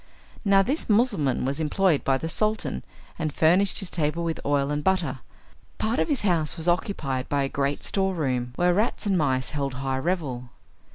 Now this Mussulman was employed by the Sultan, and furnished his table with oil and butter. Part of his house was occupied by a great storeroom, where rats and mice held high revel.